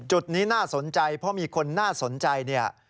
จุดนี้น่าสนใจเพราะมีคนน่าสนใจเนี่ย